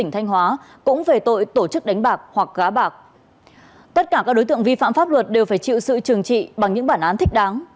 tất cả các đối tượng vi phạm pháp luật đều phải chịu sự trừng trị bằng những bản án thích đáng